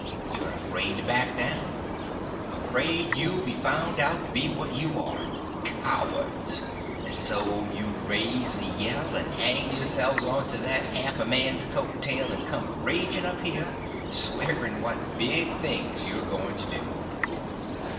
you're afraid to back down—afraid you'll be found out to be what you are—cowards—and so you raise a yell, and hang yourselves on to that half a man's coat tail, and come raging up here, swearing what big things you're going to do.